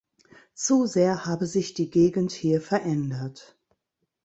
Zu sehr habe sich die Gegend hier verändert.